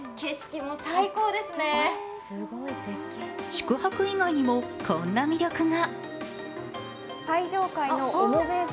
宿泊以外にも、こんな魅力が。